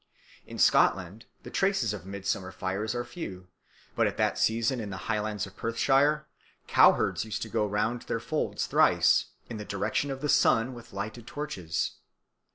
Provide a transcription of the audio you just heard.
In Scotland the traces of midsummer fires are few; but at that season in the highlands of Perthshire cowherds used to go round their folds thrice, in the direction of the sun, with lighted torches.